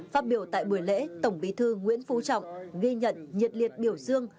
phát biểu tại buổi lễ tổng bí thư nguyễn phú trọng ghi nhận nhiệt liệt biểu dương